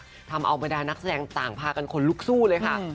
ออกมาได้นักแสดงต่างภากันคนลุกสู้เลยค่ะ